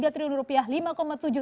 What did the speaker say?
tiga triliun rupiah lima tujuh